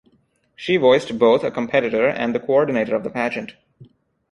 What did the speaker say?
She voiced both a competitor and the coordinator of the pageant.